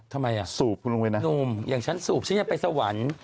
ทำไมอ่ะสูบคุณลงไปนะหนุ่มอย่างฉันสูบฉันยังไปสวรรค์